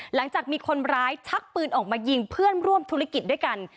หลังจากมีคนร้ายชักปืนออกมายิงเพื่อนร่วมธุรกิจด้วยกัน